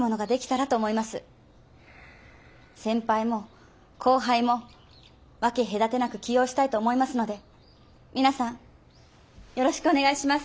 先輩も後輩も分け隔てなく起用したいと思いますので皆さんよろしくお願いします。